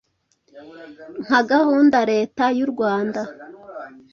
nka gahunda leta y’u Rwanda